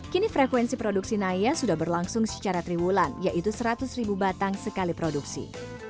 kini frekuensi produksi naya sudah berlangsung secara triwulan yaitu seratus ribu batang sekali produksi